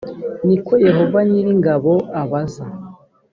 ni ko yehova nyir ingabo abaza